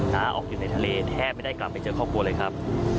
น้าออกอยู่ในทะเลแทบไม่ได้กลับไปเจอครอบครัวเลยครับ